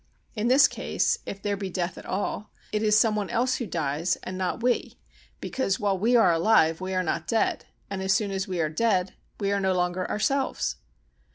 In this case, if there be death at all, it is some one else who dies and not we, because while we are alive we are not dead, and as soon as we are dead we are no longer ourselves.